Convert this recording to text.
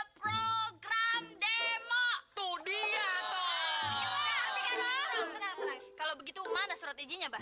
neng neng neng neng kalau begitu mana surat izinnya bah